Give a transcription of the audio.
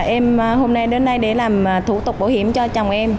em hôm nay đến đây để làm thủ tục bảo hiểm cho chồng em